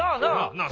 なあ？